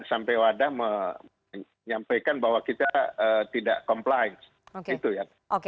sampai wadah menyampaikan bahwa kita tidak compliance